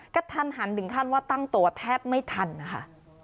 กระทันหันถึงขั้นว่าตั้งตัวแทบไม่ทันนะคะ